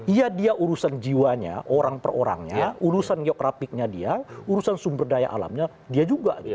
iya dia urusan jiwanya orang per orangnya urusan geokrapiknya dia urusan sumber daya alamnya dia juga